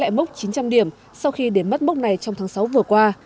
vn index lệ mốc chín trăm linh điểm sau khi đến mất mốc này trong tháng sáu vừa qua